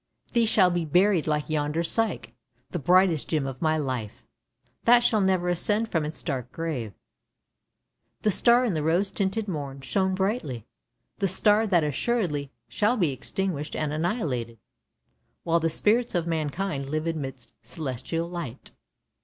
They shall be buried like yonder Psyche, the brightest gem of my life. That shall never ascend from its dark grave." The star in the rose tinted morn shone brightly — the star that assuredly shall be extinguished and annihilated, while the spirits of mankind live amidst celestial light.